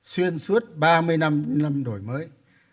xuyên suốt ba mươi năm đổi mới